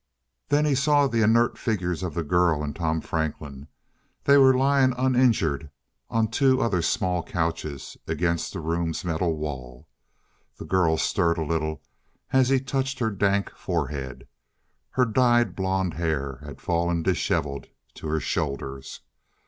There he saw the inert figures of the girl, and Tom Franklin. They were lying uninjured on two other small couches against the room's metal wall. The girl stirred a little as he touched her dank forehead. Her dyed blonde hair had fallen disheveled to her shoulders.